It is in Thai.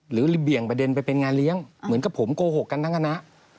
หรือเบี่ยงประเด็นไปเป็นงานเลี้ยงเหมือนกับผมโกหกกันทั้งคณะ